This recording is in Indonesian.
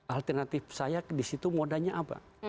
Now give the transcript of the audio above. alternatif saya di situ modanya apa